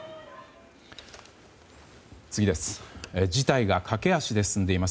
次です。